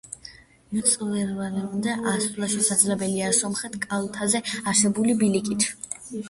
მწვერვალამდე ასვლა შესაძლებელია სამხრეთ კალთაზე არსებული ბილიკით.